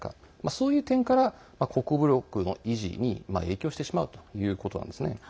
そういう点から国防力の維持に影響してしまうということなんですね。